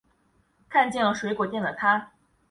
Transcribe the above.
看见了水果店的她